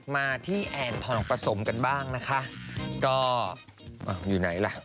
มาที่แอ่นผ่อนผสมบ้างนะคะก็อยู่ไหนละ